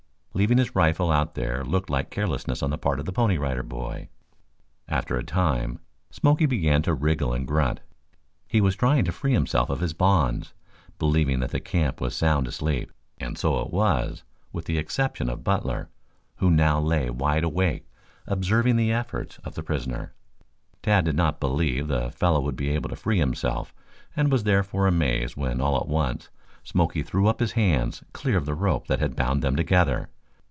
Leaving his rifle out there looked like carelessness on the part of the Pony Rider Boy. After a time Smoky began to wriggle and grunt. He was trying to free himself of his bonds, believing that the camp was sound asleep. And so it was, with the exception of Butler, who now lay wide awake observing the efforts of the prisoner. Tad did not believe the fellow would be able to free himself and was therefore amazed when all at once Smoke threw up his hands clear of the rope that had bound them together.